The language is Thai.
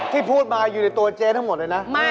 ที่พูดมาอยู่ในตัวเจ๊ทั้งหมดเลยนะพี่ปลอดภัยไม่